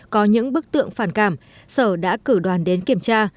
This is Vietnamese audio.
có những bức tượng phản cảm sở đã cử đoàn đến kiểm tra